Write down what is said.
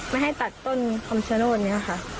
ไม่ให้ตัดต้นคำชโนธเนี่ยค่ะ